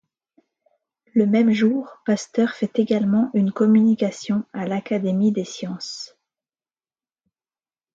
Le même jour, Pasteur fait également une communication à l'Académie des sciences.